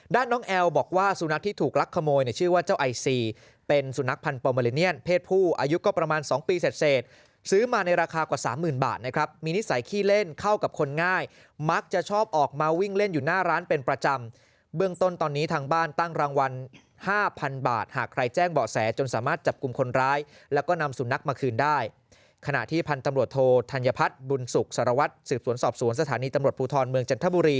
ด้านน้องแอลบอกว่าสุนัขที่ถูกรักขโมยในชื่อว่าเจ้าไอซีเป็นสุนัขพันธุ์ปอลเมริเนียนเพศผู้อายุก็ประมาณ๒ปีเศษซื้อมาในราคากว่า๓๐๐๐๐บาทนะครับมีนิสัยขี้เล่นเข้ากับคนง่ายมักจะชอบออกมาวิ่งเล่นอยู่หน้าร้านเป็นประจำเบื้องต้นตอนนี้ทางบ้านตั้งรางวัล๕๐๐๐บาทหากใครแจ้งเบาะแสจ